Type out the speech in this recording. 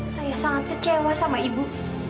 saya sangat kecewa sama ibu